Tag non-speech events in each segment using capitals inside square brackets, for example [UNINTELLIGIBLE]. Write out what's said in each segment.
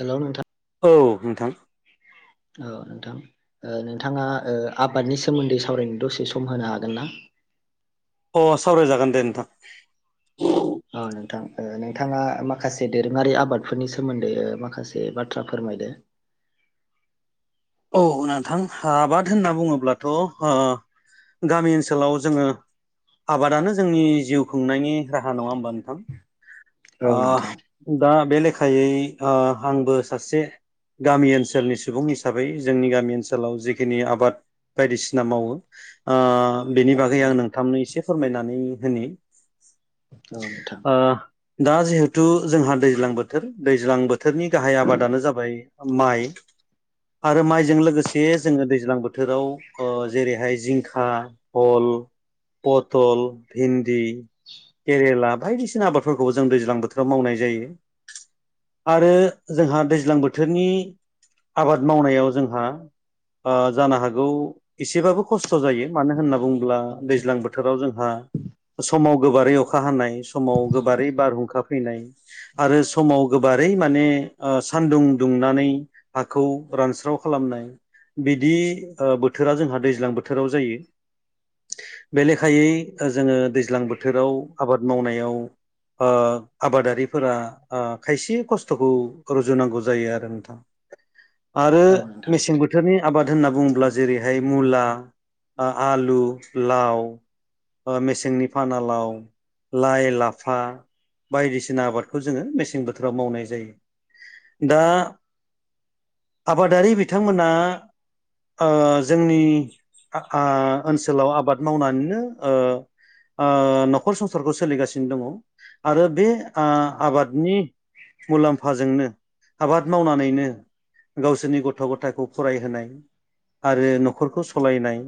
Hello नोंथां। औ नोंथां औ नोंथां ओ नोंथाङा ओ आबादनि सोमोन्दै सावरायनो दसे सम होनो हागोन ना? [INAUDIBLE] अ सावरायजागोन दे नोंथां। औ नोंथां ओ नोंथाङा माखासे दोरोङारि आबादफोरनि सोमोन्दै ओ-माखासे बाथ्रा फोरमायदो? [INAUDIBLE] औ नोंथां आबाद होनना बुङोब्लाथ ओ गामि ओनसोलाव जोङो। आबादानो जोंनि जिउ खुंनायनि राहा नङा होमबा नोंथां। औ आ नोंथां दा। बे लेखायै ओ आंबो सासे गामि ओनसोलनि सुबुं हि साबै जोंनि गामि ओनसोलाव जिखिनि आबाद बायदिसिना मावो ओ बेनि औ बागै आं नोंथांनो एसे फोरमायनानै होनि। औ नोंथां ओ दा जिहेथु जोंहा दैज्लां बोथोर दैज्लां बोथोरनि गाहाय आबादानो जाबाय माइ। [INAUDIBLE] आरो माइजों लोगोसे जोङो दैज्लां बोथोराव अ जेरैहाय जिंखा हल। पथल भिन्दि केरेला बायदिसिना आबादफोरखौबो जों दैज्लां बोथोराव मावनाय जायो। आरो जोंहा दैज्लां बोथोरनि आबाद मावनायाव जोंहा। ओ-जानो हागौ एसेबाबो खस्थ जायो मानो होनना बुङोब्ला दैज्लां बोथोराव जोंहा। समाव गोबारै अखा हानाय समाव गोबारै बारहुंखा फैनाय। आरो समाव गोबारै माने ओ सान्दुं दुंनानै। हाखौ रानस्राव खालामनाय। बिदि बोथोरा जोंहा दैज्लां बोथोराव जायो। बे लेखायै जोङो दैज्लां बोथोराव आबाद मावनायाव। आबादारिफोरा खायसे खस्थ'खौ रुजुनांगौ जायो आरो नोंथां। आरो औ नोंथां मेसें बोथोरनि। आबाद होनना बुङोब्ला जेरैहाय मुला आलु लाव। मेसेंनि फानालाव लाइ लाफा। बायदिसिना आबादखौ जोङो मेसें बोथोराव मावनाय जायो दा। आबादारि बिथांमोना। ओ जोंनि ओनसोलाव आबाद मावनानैनो ओ। ओ न'खर संसारखौ सोलिगासिनो दङ आरो बे। ओ औ आबादनि मुलाम्फाजोंनो आबाद मावनानै। गावसोरनि गथ' गथायखौ फरायहोनाय। आरो न'खरखौ सालायनाय।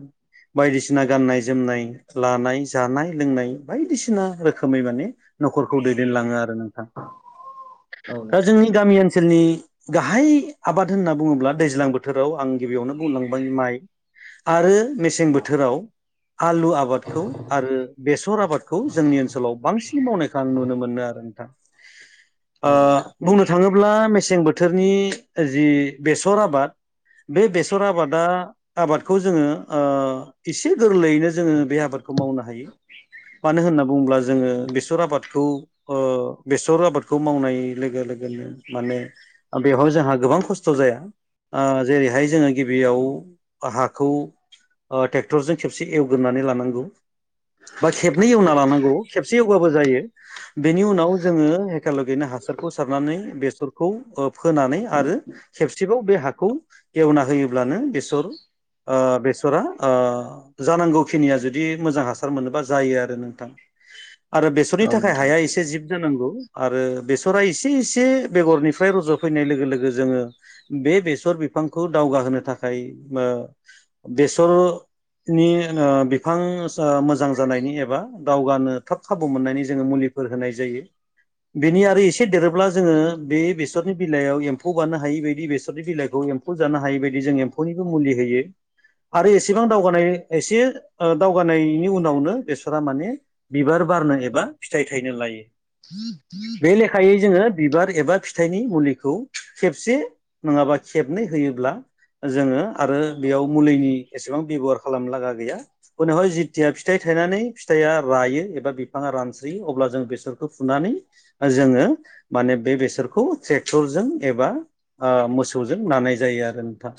बायदिसिना गाननाय जोमनाय लानाय जानाय लोंनाय बायदिसिना रोखोमै माने। न'खरखौ दैदेनलाङो आरो नोंथां औ दा नोंथां जोंनि गामि ओनसोलनि। गाहाय आबाद होनना बुङोब्ला दैज्लां बोथोराव आं गिबियावनो बुंलांबाय माइ। आरो मेसें औ बोथोराव। आलु आबादखौ आरो बेसर आबादखौ जोंनि ओनसोलाव बांसिन मावनायखौ आं नुनो मोनो आरोना। ओ औ नोंथां बुंनो थाङोब्ला मेसें बोथोर। बोथोरनि जि बेसर आबाद। बे बेसर आबादा आबादखौ जोङो ओ एसे गोरलैयैनो जोङो बे आबादखौ। खौ मावनो हायो। मानो होनना बुङोब्ला जोङो बेसर आबादखौ बेसर आबादखौ मावनाय लोगो लोगो। लोगो माने बेवहाय जोंहा गोबां खस्थ' जाया। जेरैहाय जोङो गिबियाव हाखौ। ट्रेक्टरजों खेबसे एवगोरोनानै लानांगौ बा खेबनै एवना लानांगौ खेबसे। एसे एगाबो जायो बेनि उनाव जोङो एक लागेनो हासारखौ सारनानै बेसरखौ। फोनानै आरो खेबसेबाव बे हाखौ गेवना होयोब्लानो बेसर। ओ बेसरा जानांगौ खिनिया जुदि मोजां हासार मोनोबा जायो आरो नोंथां। [INAUDIBLE] आरो बेसरनि औ थाखाय नोंथां हाया एसे जिब जानांगौ आरो बेसरा एसे एसे बेगरनिफ्राय रज'। फैनाय लोगो लोगो जोङो बे बेसर बिफांखौ दावगाहोनो थाखाय। बेसर। नि बिफां मोजां जानायनि एबा दावगानो थाब खाबु मोननायनि जोङो मुलि। होनाय जायो बेनि आरो एसे देरोब्ला जोङो बे बेसर। बेनि बिलाइयाव एम्फौ बारनो हायि बायदि बेसरनि बिलाइखौ एम्फौ जानो हायि बायदि जों एम्फौनिबो मुलि होयो। आरो एसेबां दावगानाय एसे दावगानायनि उनावनो बेसरा माने बिबार। बारनो एबा फिथाइ थाइनो लायो। बे लेखायै [UNINTELLIGIBLE] जोङो बिबार एबा फिथाइनि मुलिखौ खेबसे नङाबा खेबनै होयोब्ला। जोङो आरो बेयाव मुलिनि एसेबां बेब'हार खालामनो लागा गैया उनावहाय जिथिया फिथाइ थायो। फिथाइनानै फिथाइआ रायो एबा बिफाङा रानस्रियो अब्ला जों बेसरखौ फुनानै जोङो। माने बे बेसरखौ। ट्रेक्टरजों एबा मोसौजों नानाय जायो आरो नोंथां।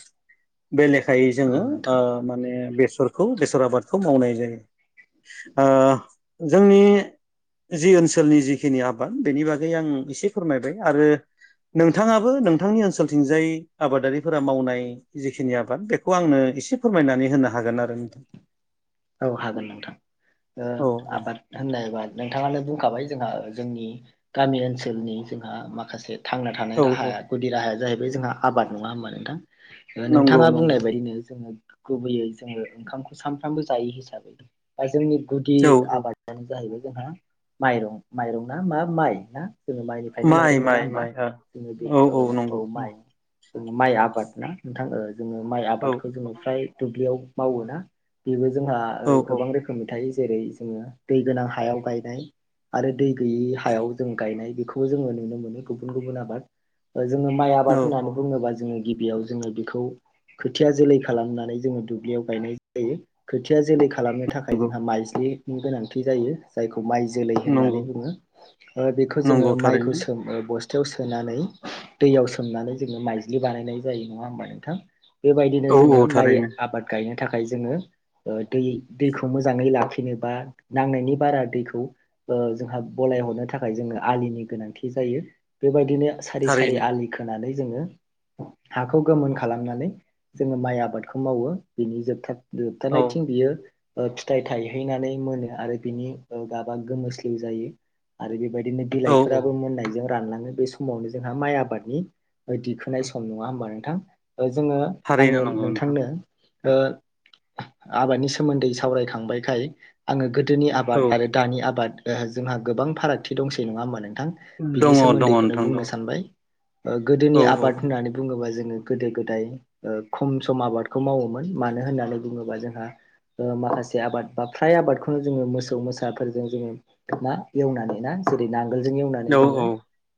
बे लेखायै जोङो औ ओ नोंथां माने बेसरखौ बेसर आबादखौ मावनाय जायो। ओ जोंनि। जि ओनसोलनि जिखिनि आबाद बेनि बागै आं एसे फोरमायबाय आरो नोंथाङाबो नोंथांनि ओनसोलथिंजाय आबादारिफोरा मावनाय जिखिनि आबाद बेखौ आंनो ओ एसे फोरमायनानै होनो हागोन आरो नोंथां। औ हागोन नोंथां ओ औ आबाद होननायबा नोंथाङानो बुंखाबाय जोंहा जोंनि गामि ओनसोलनि जोंहा माखासे थांना थानाय औ औ राहाया गुदि राहाया जाहैबाय जोंहा आबाद नङा होनोमबा नोंथां नंगौ नोंथाङा बुंनाय नंगौ बायदिनो जोङो गुबैयै जोङो ओंखामखौ सानफ्रामबो जायो हिसाबै आमफ्राय जोंनि गुदि औ औ आबादानो जाहैबाय जोंहा माइरं माइरं ना मा माइ ना? जोङो माइनिफ्रायनो माइ माइरं मोना माइ होमबा माइ जोङो बे औ औ माइ जों माइ आबाद ना नोंथां ओ जोङो माइ औ आबादखौ जोङो फ्राय दुब्लियाव मावो ना। बेबो जोंहा औ गोबां रोखोमनि थायो जेरै जोङो दै गोनां हायाव गायनाय आरो दै गैयै हायाव जों गायनाय बेखौबो जोङो नुनो मोनो गुबुन गुबुन आबाद जोङो माइ औ आबाद होननानै औ बुङोबा जोङो गिबियाव जोङो बेखौ खोथिया जोलै खालामनानै जोङो दुब्लियाव गायनाय जायो। खोथिया जोलै खालामनो थाखाय नंगौ जोंहा माइज्लि नि गोनांथि जायो जायखौ माइ जोलै होननानै नंगौ बुङो ओ बेखौ जोङो नंगौ माइखौ थारैनो सोम बस [UNINTELLIGIBLE] सोनानै दैयाव सोमनानै जोङो माइज्लि बानायनाय जायो नङा होमबा नोंथां। बेबायदिनो औ औ जोङो माइ थारैनो आबाद गायनो थाखाय जोङो ओ दै दैखौ मोजाङै लाखिनो बा नांनायनि बारा दैखौ ओ जोंहा बलाय हरनो थाखाय जोङो आलिनि गोनांथि जायो बेबायदिनो सारि सारि थारैनो आलि खोनानै जोङो हाखौ गोमोन खालामनानै जोङो माइ आबादखौ मावो बिनि जोबथा औ [UNINTELLIGIBLE] बियो ओ फिथाइ थायहैनानै मोनो आरो बिनि गाबा गोमोस्लिउ जायो आरो बे बायदिनो औ औ बिलाइफोराबो मोननायजों रानलाङो बे समावनो जोंहा माइ आबादनि दिखोनाय सम नङा होमबा नोंथां। जोङो थारैनो आङो नंगौ नोंथां नोंथांनो ओ आबादनि सोमोनदै सावरायखांबायखाय आङो गोदोनि औ आबाद आरो दानि आबाद जोंहा गोबां फारागथि दंसै नङा होमा नोंथां दङ बिनि दङ सोमोनदैखौनो नोंथां दङ बुंनो सानबाय। गोदोनि औ आबाद औ होननानै बुङोब्ला जोङो गोदो गोदाय ओ खम सम आबादखौ मावोमोन मानो होननानै बुङोबा जोंहा ओ माखासे आबाद बा फ्राय आबादखौनो जोङो मोसौ मोसाफोरजों जोङो मा एवनानै ना जेरै [UNINTELLIGIBLE] नांगोलजों एवनानै औ जोङो औ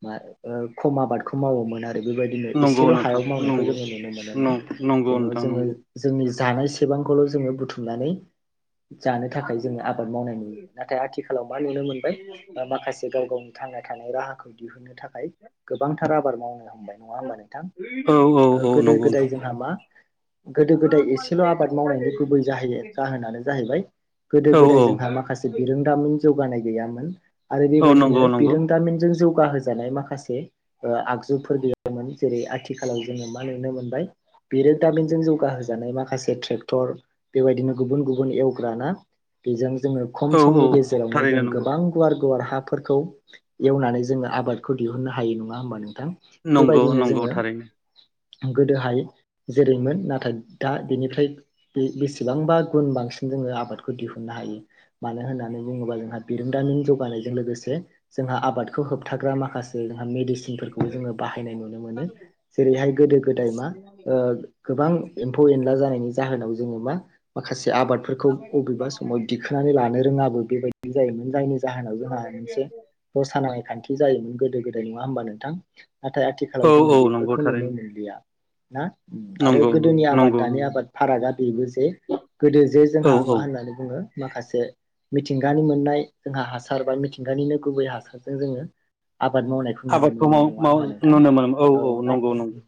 मा ओ खम आबादखौ मावोमोन आरो आरो बेबायदिनो नंगौ एसेल' नोंथां हायाव मावनायखौ नंगौ जोङो नुनो मोनोमोन नं- नंगौ जेन' नोंथां जोङो नंगौ जोंनि जानाय सेबांखौल' जोङो बुथुमनानै जानो थाखाय जोङो आबाद मावनाय नुयोमोन नाथाय आथिखालाव मा नुनो मोनबाय ओ माखासे गाव गावनि थांना थानाय राहाखौ दिहुननो थाखाय गोबांथार आबाद मावनो हमबाय नङा हबा नोंथां औ औ ओ औ गोदो नंगौ गोदाय जोंहा नोंथां मा गोदो गोदाय एसेल' आबाद मावनायनि गुबै जहै जाहोनानो जाहैबाय गोदो औ गोदाय औ जोंहा माखासे बिरोंदामिन जौगानाय गैयामोन आरो औ बेबायदिनो नंगौ नंगौ बिरोंदामिनजों जौ जौगाहोजानाय माखासे ओ आगजुफोर बेयाव [UNINTELLIGIBLE] जेरै आथिखालाव जोङो मा नुनो मोनबाय बिरोदाबिनजों जौगाहोजानाय माखसे ट्रेक्टर बेबायदिनो गुबुन गुबुन एवग्राना बेजों जोङो खम औ औ समनि औ गेजेरावनो जों थारैनो नंगौ गोबां गुवार गुवार हाफोरखौ एवनानै जोङो आबादखौ दिहुननो हायो नङा होमबा थां नंगौ बेबायदिनो नंगौ जोङो थारैनो गोदोहाय जेरैमोन नाथाय दा बेनिफ्राय बे बेसेबांबा गुन बांसिन जोङो आबादखौ दिहुननो हायो मानो होननानै बुङोबा जोंहा बिरों दामिन जौगानायजों लोगोसे जोंहा आबादखौ होबथाग्रा माखासे जोंहा मेडिसिन बो जोङो बाहायनाय नुनो मोनो जेरैहाय गोदो गोदाय मा गोबां एम्फौ एनला जानायनि जाहोनाव जोङो मा माखासे आबादफोरखौ बबेबा समाव दिखोनानै लानो रोङाबो बेबायदि जायोमोन जायनि ज जाहोनाव जोंहा मोनसे दसा नाङै खान्थि जायोमोन गोदो गोदाय नङा होमबा नोंथां? आथ औ औ नंगौ थारैनो ना आरो नंगौ गोदोनि आबाद नंगौ दानि नंगौ नंगौ आबाद फारागा बेबो जे गोदो जे औ जोंहा औ मा होननानै बुङो माखासे मिथिंगानि मोननाय जोंहा हासार बा मिथिंगानिनो गुबै हासारजों जोङो आबाद मावनायखौ नुनो आबादखौ माव मोनोमोन नङा माव होमबा नोंथां? नुनो मोनो औ ना नंगौ नंगौ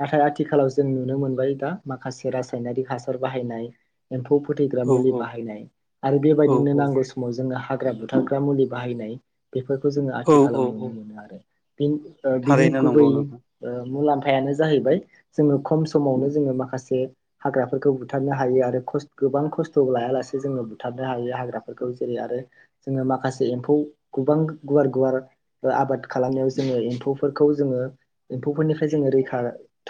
नाथाय आथिखालाव जों नुनो मोनबाय दा माखासे रासायनारिक हासार बाहायनाय एम्फौ फोथैग्रा औ मुलि औ बाहायनाय आरो बेबायदिनो औ नांगौ समाव जोंनो हा ग्रा बुथारग्रा मुलि बाहायनाय बेफोरखौ जोङो औ आथिखालाव औ नुनो औ मोनो आरो ‌। बिनि ओ बिनि थारैनो गुबै नंगौ नोंथां ओ मुलाम फायानो जाहैबाय जोङो खम समावनो जोङो माखासे हाग्राफोरखौ बुथारनो हायो आरो खस गोबां खस्थ' लायालासे जोङो बुथारनो हायो हाग्राफोरखौ जेरै आ ओ जोङो माखासे एम्फौ गोबां गुवार गुवार आबाद खालामनायाव जोङो एम्फौफोर खौ जोङो एम्फौफोरनिफ्राय जोङो रैखा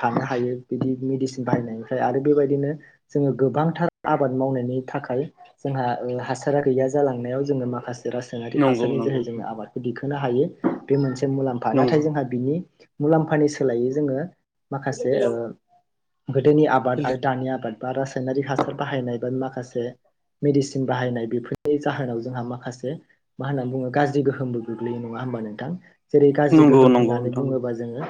थानो हायो बिदि मेदिसिन बाहायनायनिफ्राय आरो बेबायदिनो जोङो गोबांथार आबाद मावनायनि थाखाय जोंहा हासारा गैया जालाङो । याव जोङो माखास रासायङारि नंगौ हासारनि नंगौ जोहै जोङो नोंथां आबादखौ दिखोनो हायो बे मोनसे मुलाम्फा नाथाय नंगौ जोंहा बिनि मुलाम्फानि सोलायै जोङो माखासे ओ गोदोनि आबाद आरो दानि आबाद बा रासायनारि हासार बाहायनाय बा माखासे मेडिसिन बाहायनाय बेफोरनि जाहोनाव जोंहा माखासे मा होनना बुङो गाज्रि गोहोमबो गोग्लैयो नङा होनबा नोंथां जेरै गाज्रि नंगौ गोहोम नंगौ होननानै नोंथां बुङोबा जोङो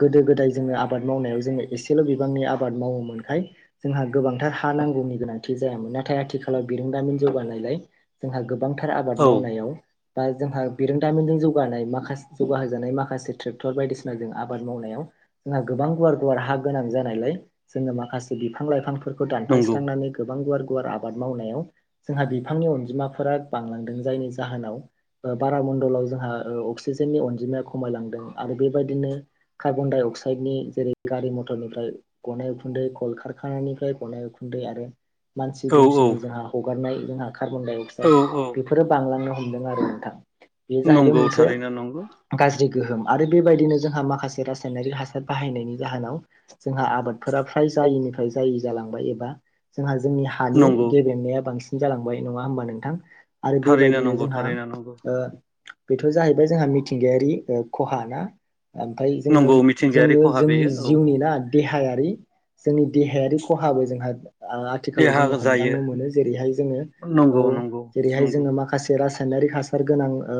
गोदो गोदाय जोङो आबाद मावनायाव जोङो एसेल' बिबांनि आबाद मावोमोन । थाय जोंहा गोबांथार हा नांगौनि गोनांथि जायामोन नाथाय आथिखालाव बिरोंदामिन जौगानायलाय जोंहा गोब बांथार आबाद औ मावनायाव बा जोंहा बिरोंदामिजों जौगानाय माखास जौगाहजानाय माखासे ट्रेक्टर बायदिसिना जों आबाद मावनायाव जोंहा गोबां गुवार गुवार हा गोनां जानायलाय जोङो मा खासे बिफां लाइफांफोरखौ नंगौ दानफायस्रांनानै गोबां गुवार गुवार आबाद मावनायाव जोंहा बिफांनि अनजिमाफोरा बांलांदों जायनि जाहोनाव बारामण्डलाव जोंहा ओ अक्सिजेननि अनजिमाया खमायलांदों आरो बेबायदिनो कार्बन डाइ अक्साइड नि जेरै गारि मथरनिफ्राय गनाय उखुन्दै कल खारखानिफ्राय गनाय उखुन्दै आरो मानसि औ औ दुमसिनि जोंहा हगारनाय जोंहा कार्बन दाइ अक्साइड औ औ बेफोरो बांलांनो हमदों आरो नोंथां । बेयो जाहैदों नंगौ मोनसे थारैनो नंगौ गाज्रि गोहोम आरो बेबायदिनो जोंहा माखासे रासायनारिक हासार बाहायनायनि जाहोनाव जोंहा आबादफोरा फ्रा जायनिफ्राय जायै जालांबाय एबा जोंहा जोंनि हानि नंगौ गेदेनाया बांसि जालांबाय नङा हबा नोंथां? आरो थारैनो बेबायदिनो नंगौ जोंहा थारैनो नंगौ ओ बेथ' जाहैबाय जोंहा मिथिंगायारि ओ खहा ना? ओमफ्राय जोङो नंगौ मिथिंगायारि जोङो खहा जोंनि बेयो औ जिउनि औ ना देहायारि जोंनि देहायारि खहाबो जोंहा आ-आथिखालाव देहा जोङो जायो हमदांनो मोनो जेरैहाय जोङो औ नंगौ नंगौ जेरैहाय नंगौ जोङो माखासे रास आयनारि हासार गोनां ओ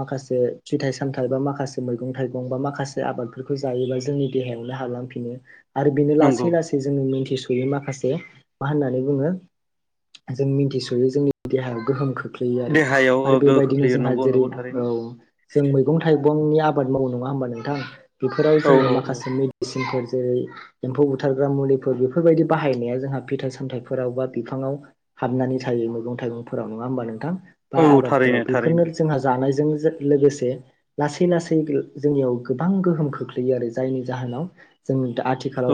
माखासे फिथाइ सामथाइ बा माखासे मैगं थाइगं बा माखासे आबादफोरखौ जायोबा जोंनि देहायावनो हाबलांफिनो आरो बेनो नंगौ लासै लासै जोंनि मिनथिस यै माखासे मा होननानै बुङो जों मिथिसयो जोंनि देहायाव गोहोम खोख ख्लैयो आरो। देहायाव ओ आरो गोहो बेबादिनो खोख्लैयो जोंहा नंगौ जेरै नंगौ औ थारैनो जों मैगं थाइ गंनि आबाद मावो नङा हबा नोंथां बेफोराव औ जोङो औ माखासे मेडिसिनफोर जे एम्फौ बुथारग्रा मुलिफोर बेफोरबायदि बाहायनाया जोंहा फिथाइ सामथाइफोराव बा बिफांआव हाबनानै थायो । बो मैगं थायगंफोराव नङा होनबा नोंथां बा औ औ आबाद थारैनो फोराव थारैनो बेफोरनो बा जोंहा जानाय जों ओ लोगोसे लासै लासै जोंनियाव गोबां गोहोम खोख्लैयो आरो जायनि जाहोनाव जों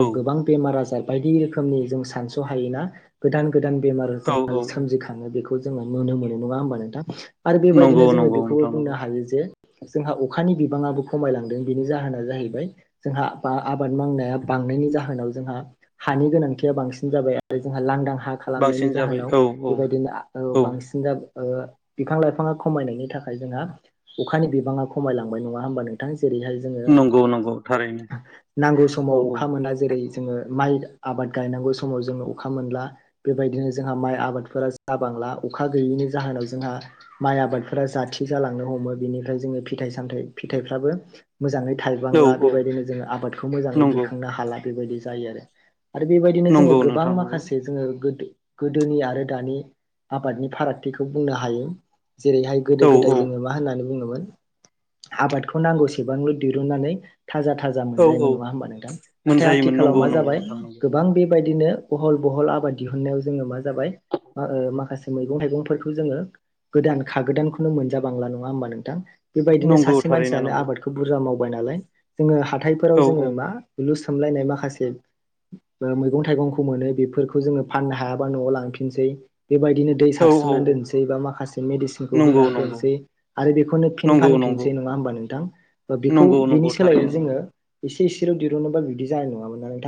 औ गोबां बेमार आजार बायदि रोखोमनि जों सानस' हायोना गोदान। गोदान बेमार औ जोंहा औ सोमजिखाङो बेखौ जोङो नुनो मोनो नङा होमबा नोंथां। आरो नंगौ बेबायदिनो जोङो नंगौ बेखौबो नोंथां बुंनो नंगौ हायो जे। जोंहा अखानि बिबाङाबो खमायलांदों बिनि जाहोना जाहैबाय जोंहा बा आबाद मावनाया। बांनायनि जाहोनाव जोंहा हानि गोनांथिया बांसिन जाबाय आरो जोंहा लांदां। राहा खालामनायनि बांसिन जाबाय जाहोनाव औ औ बेबायदिनो आ औ बांसिन जाबा। ओ बिफां लाइफाङा खमायनायनि थाखाय जोंहा अखानि बिबाङा खमायलांबाय नङा होमबा नोंथां। जेरैहाय जोङो नंगौ नंगौ। थारैनो नांगौ औ समाव औ अखा मोना जेरै। जोङो माइ आबाद गायनांगौ समाव जोङो अखा मोनला बेबायदिनो जोंहा माइ आबादफोरा जाबां। ला अखा गैैनि जाहोनाव जोंहा माइ आबादफोरा जाथि जालांनो हमो बेनिफ्राय जोङो फिथाइ सामथाइ। बि फिथाइफ्राबो। मोजाङै औ थाइबांला औ बेबायदिनो जोङो आबादखौ मोजाङै नंगौ दिखांनो हाला बेबायदि जायो आरो। आरो बेबायदिनो जोङो नंगौ गोबां नोंथां नंगौ माखासे जोङो गोदो। गोदोनि आरो दानि आबादनि फारागथिखौ बुंनो हायो। जेरैहाय गोदो औ गोदाय औ जोङो मा होननानै बुङोमोन। आबादखौ नांगौसेबांल' दिरुननानै। थाजा थाजा औ औ मोनजायोमोन नङा होमबा नोंथां नाथाय मोनजायोमोन आथिखालाव नंगौ मा नंगौ जाबाय नोंथां नंगौ गोबां बे। बेबायदिनो बहल बहल आबाद दिहुननायाव जोङो मा जाबाय। आ ओ माखासे मैगं थाइगंफोरखौ जोङो। गोदान खा गोदानखौनो मोनजा बांला नङा होमबा नोंथां? बेबायदिनो नंगौ सासे थारैनो मानसियानो नंगौ आबादखौ बुरजा मावबाय नालाय जोङो हाथायफोराव औ औ जोङो मा हुलुस। सामलायनाय माखासे। ओ मैगं थाइगंखौ मोनो बेफोरखौ जोङो फाननो हायाबा न'आव लांफिनसै। बेबायदिनो दै औ औ सारस्रिननानै औ दोननोसै बा माखासे मेडिसिनखौ नंगौ होनानै नंगौ दोनसै आरो बेखौनो फिन नंगौ फानफिन। नंगौ दोननोसै नङा होमबा नोंथां बेखौ नंगौ नंगौ बेनिस। सोलायो थारैनो नंगौ जोङो एसे एसेराव दिरुनोबा बिदि जानाय नङामोनना नोंथां।